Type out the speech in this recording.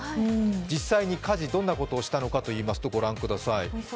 実際に家事、どんなことをしたのかというとご覧ください。